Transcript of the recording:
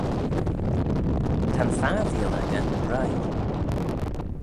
Ta'n farveeal echey ruy.